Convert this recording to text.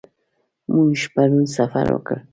موږ پرون سفر وکړ.